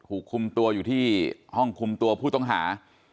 คุมตัวอยู่ที่ห้องคุมตัวผู้ต้องหา